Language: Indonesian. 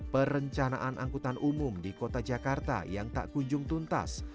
perencanaan angkutan umum di kota jakarta yang tak kunjung tuntas